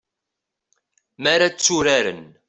Mi ara tturaren.